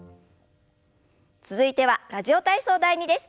続いては「ラジオ体操第２」です。